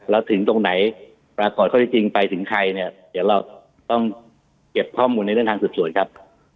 แล้วถึงตรงไหนปรากฏข้อที่จริงไปถึงใครเนี่ยเดี๋ยวเราต้องเก็บข้อมูลในเรื่องทางสืบสวนครับ